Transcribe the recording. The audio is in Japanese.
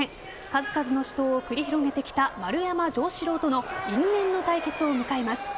数々の死闘を繰り広げてきた丸山城志郎との因縁の対決を迎えます。